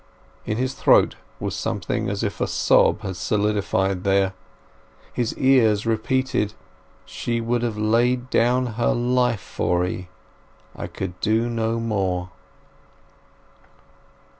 In his throat was something as if a sob had solidified there. His ears repeated, "_She would have laid down her life for 'ee. I could do no more!